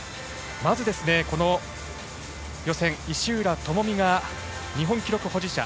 まず、この予選石浦智美が日本記録保持者。